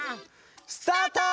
スタート！